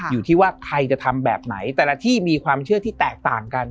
อยู่ที่ว่าใครจะทำแบบไหนแต่ละที่มีความเชื่อที่แตกต่างกัน